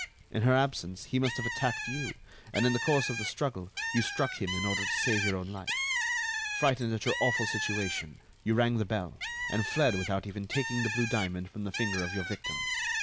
In her absence, he must have attacked you, and in the course of the struggle you struck him in order to save your own life. Frightened at your awful situation, you rang the bell, and fled without even taking the blue diamond from the finger of your victim.